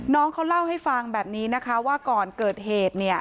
น้องเขาเล่าให้ฟังแบบนี้นะคะว่าก่อนเกิดเหตุเนี่ย